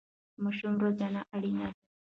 ماشوم روزنه اړینه ده.